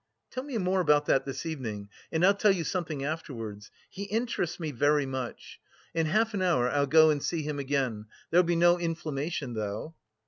"Tell me more about that this evening and I'll tell you something afterwards. He interests me very much! In half an hour I'll go and see him again.... There'll be no inflammation though."